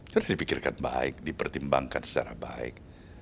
karena dipikirkan baik dipertimbangkan secara baik